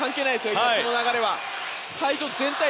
今、この流れは。